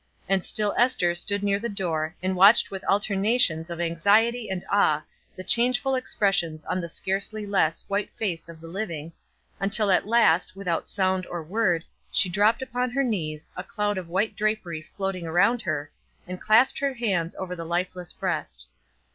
And still Ester stood near the door, and watched with alternations of anxiety and awe the changeful expressions on the scarcely less white face of the living, until at last, without sound or word, she dropped upon her knees, a cloud of white drapery floating around her, and clasped her hands over the lifeless breast.